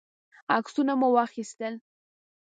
عکسونه مو واخیستل.